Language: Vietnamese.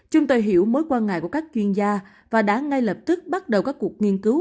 chúng tôi hiểu mối quan ngại của các chuyên gia và đã ngay lập tức bắt đầu các cuộc nghiên cứu